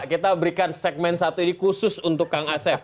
kita berikan segmen satu ini khusus untuk kang asep